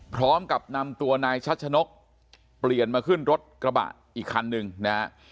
พร้อมกับนำตัวนายชัชนกเปลี่ยนมาขึ้นรถกระบะอีกคันหนึ่งนะฮะ